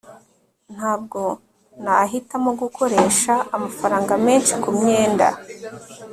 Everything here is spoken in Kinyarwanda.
ntabwo nahitamo gukoresha amafaranga menshi kumyenda